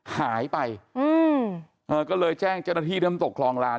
หายไปก็เลยแจ้งเจ้าหน้าที่น้ำตกห้องร้าน